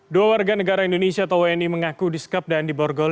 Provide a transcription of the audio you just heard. dua warga negara indonesia atau wni mengaku disekap dan diborgol